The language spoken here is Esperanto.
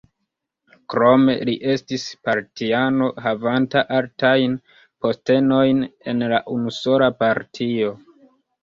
Krome li estis partiano havanta altajn postenojn en la unusola partio.